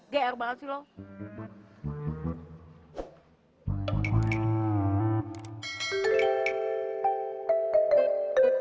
gr banget sih lo